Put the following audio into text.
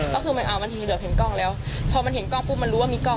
ก็คือมันเอาบางทีเหลือเห็นกล้องแล้วพอมันเห็นกล้องปุ๊บมันรู้ว่ามีกล้อง